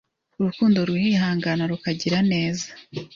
Urukundo rurihangana rukagira neza,